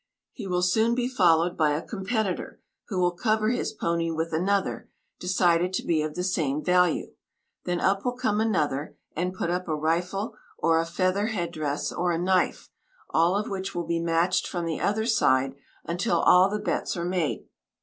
He will soon be followed by a competitor, who will cover his pony with another, decided to be of the same value. Then up will come another, and put up a rifle, or a feather head dress or a knife, all which will be matched from the other side, until all the bets are made.